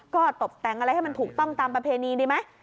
ก็ตบแต่งอะไรให้มันถูกต้องตามประเพณีดีไหม